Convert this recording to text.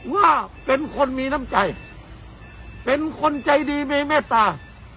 ว่าเป็นคนมีน้ำใจเป็นคนใจดีมีเมตตา